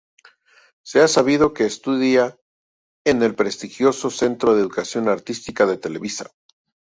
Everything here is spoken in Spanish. Se ha sabido que estudia en el prestigioso Centro de Educación Artística de Televisa.